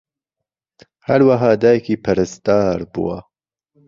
ھەروەھا دایکی پەرستار بووە